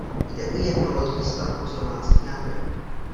Jde o jednolodní stavbu s románským jádrem.